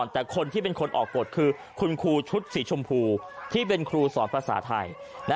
แต่คนที่เป็นคนออกกฎคือคุณครูชุดสีชมพูที่เป็นครูสอนภาษาไทย